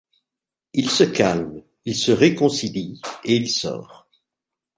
Il se calme, ils se réconcilient, et il sort.